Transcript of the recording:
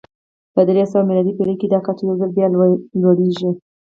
په درې سوه میلادي پېړۍ کې دا کچه یو ځل بیا لوړېږي